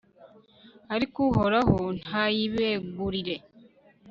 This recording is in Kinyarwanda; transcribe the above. ariko uhoraho ntayibegurire